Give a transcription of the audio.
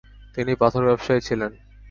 তিনি পাথর ব্যবসায়ী ছিলেন।